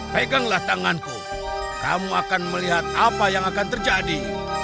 peganglah tanganku kamu akan melihat apa yang akan terjadi